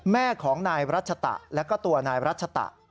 แม่ของนายรัชตะแล้วก็ตัวนายรัชตะ